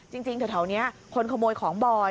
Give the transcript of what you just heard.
จริงแถวนี้คนขโมยของบ่อย